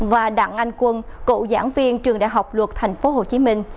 và đặng anh quân cựu giảng viên trường đại học luật tp hcm